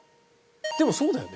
でもそうだよね。